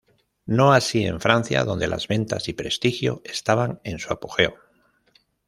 No así en Francia, donde las ventas y prestigio estaban en su apogeo.